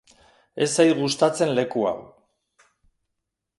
Ez zait gustatzen leku hau.